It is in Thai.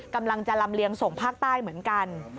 กำลังจะลำเลียงส่งภาคใต้เหมือนกัน